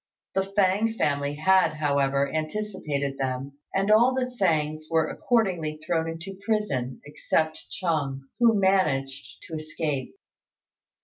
The Fêng family had, however, anticipated them, and all the Tsêngs were accordingly thrown into prison, except Chung, who managed to escape.